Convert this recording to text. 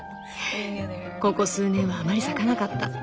ここ数年はあまり咲かなかった。